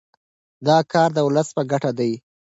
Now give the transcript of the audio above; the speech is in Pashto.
دا کار د ولس په ګټه دی.